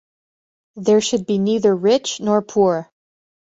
There should be neither rich nor poor.